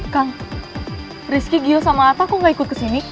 kang rizky gio sama lata kok gak ikut ke sini